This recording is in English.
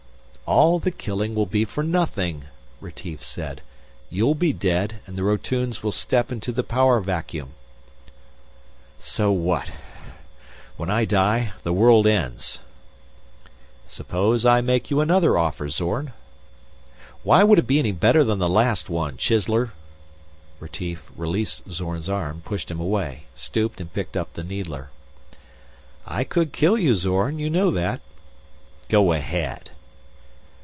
"All the killing will be for nothing," Retief said. "You'll be dead and the Rotunes will step into the power vacuum." "So what? When I die, the world ends." "Suppose I make you another offer, Zorn?" "Why would it be any better than the last one, chiseler?" Retief released Zorn's arm, pushed him away, stooped and picked up the needler. "I could kill you, Zorn. You know that." "Go ahead!"